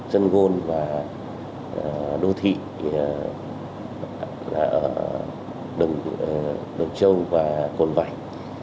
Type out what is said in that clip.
dân gôn và đô thị ở đồng châu và cồn vảnh